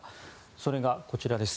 それがこちらです。